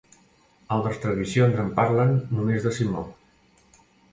Altres tradicions en parlen només de Simó.